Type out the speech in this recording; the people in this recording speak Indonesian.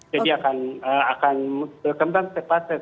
jadi akan berkembang sepatutnya